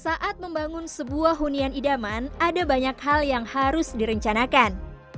saat membangun sebuah hunian idaman ada banyak hal yang harus direncanakan